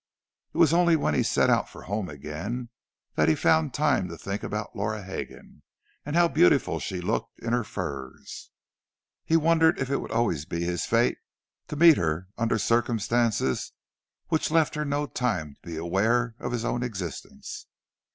It was only when he set out for home again that he found time to think about Laura Hegan, and how beautiful she had looked in her furs. He wondered if it would always be his fate to meet her under circumstances which left her no time to be aware of his own existence.